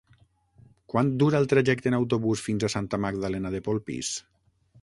Quant dura el trajecte en autobús fins a Santa Magdalena de Polpís?